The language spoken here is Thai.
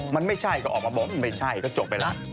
มันไม่ใช่ก็ออกมาบอกไม่ใช่ก็จบไปแล้ว